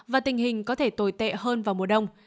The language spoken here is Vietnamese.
và tình hình có thể tồi tệ hơn vào mùa đông